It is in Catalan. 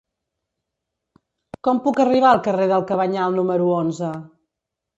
Com puc arribar al carrer del Cabanyal número onze?